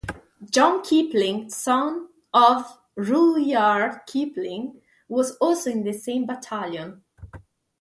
John Kipling, son of Rudyard Kipling, was also in the same Battalion.